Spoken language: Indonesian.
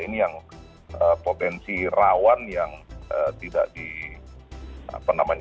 ini yang potensi rawan yang tidak di apa namanya